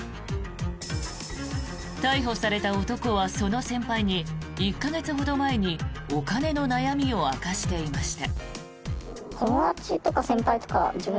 逮捕された男はその先輩に１か月ほど前にお金の悩みを明かしていました。